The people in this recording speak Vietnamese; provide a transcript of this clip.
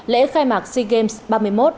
lễ khai mạc sea games ba mươi một